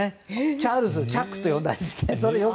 チャールズをチャックって呼んだり。